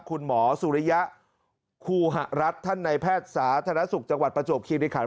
คุณหมอสุริยะครูหรัฐท่านในแพทย์สาธารณสุขจังหวัดประจวบคิริขัน